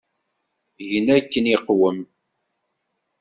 Gen akken iqwem.